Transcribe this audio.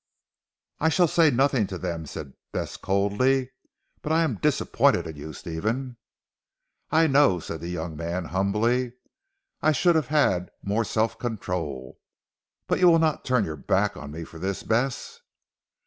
"I shall say nothing to them," said Bess coldly, "but I am disappointed in you Stephen." "I know," said the young man humbly, "I should have had more self control. But you will not turn your back on me for this Bess?"